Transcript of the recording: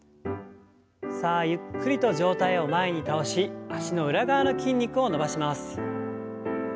さあゆっくりと上体を前に倒し脚の裏側の筋肉を伸ばします。